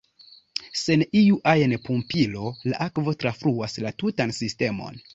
Sen iu ajn pumpilo la akvo trafluas la tutan sistemon.